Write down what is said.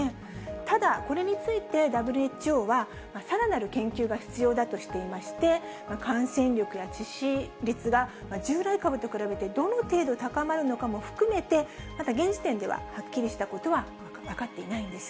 ただ、これについてＷＨＯは、さらなる研究が必要だとしていまして、感染力や致死率が従来株と比べてどの程度高まるのかも含めて、まだ現時点では、はっきりしたことは分かっていないんです。